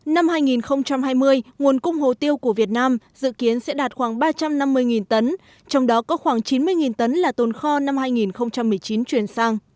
năm hai nghìn hai mươi nguồn cung hồ tiêu của việt nam dự kiến sẽ đạt khoảng ba trăm năm mươi tấn trong đó có khoảng chín mươi tấn là tồn kho năm hai nghìn một mươi chín chuyển sang